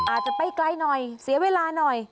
อาจจะไปไกลหน่อยเสียเวลาหน่อย